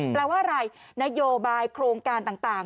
แปลว่าอะไรนโยบายโครงการต่าง